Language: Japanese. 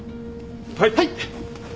はい！